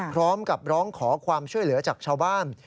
พร้อมกับร้องขอความช่วยเหลือจากชาวบ้าน